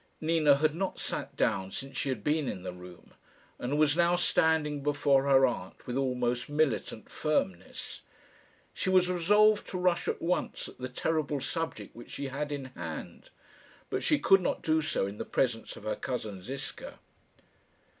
Nina had not sat down since she had been in the room, and was now standing before her aunt with almost militant firmness. She was resolved to rush at once at the terrible subject which she had in hand, but she could not do so in the presence of her cousin Ziska.